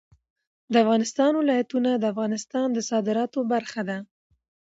د افغانستان ولايتونه د افغانستان د صادراتو برخه ده.